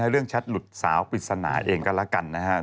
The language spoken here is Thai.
เรื่องแชทหลุดสาวปริศนาเองก็แล้วกันนะครับ